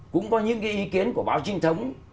cũng có những cái ý kiến của báo trinh thống